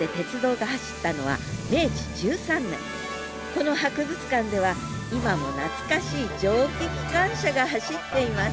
この博物館では今も懐かしい蒸気機関車が走っています